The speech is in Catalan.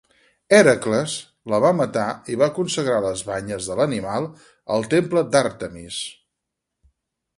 Hèracles la va matar i va consagrar les banyes de l'animal al temple d'Àrtemis.